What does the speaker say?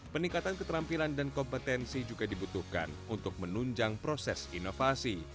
peningkatan keterampilan dan kompetensi juga dibutuhkan untuk menunjang proses inovasi